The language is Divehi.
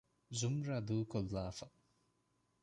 ޒުމްރާ ދޫކޮއްލާފަ